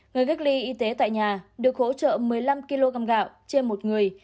người cách ly y tế tại nhà được hỗ trợ một mươi năm kg gạo trên một người